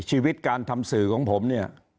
ชีวิตการทำสื่อของผมเนี่ย